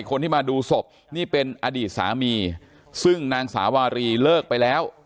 คนที่มาดูศพนี่เป็นอดีตสามีซึ่งนางสาวารีเลิกไปแล้ว